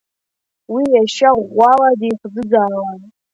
Уи иашьа ӷәӷәала дихӡыӡаауан.